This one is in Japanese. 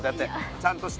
ちゃんとして。